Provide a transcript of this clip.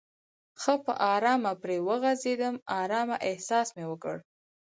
ښه په آرامه پرې وغځېدم، آرامه احساس مې وکړ.